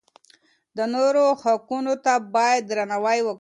د نورو حقونو ته بايد درناوی وکړو.